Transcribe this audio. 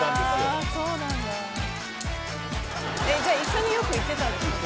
あそうなんだじゃあ一緒によく行ってたんですか？